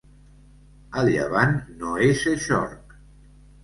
El llevant no és eixorc.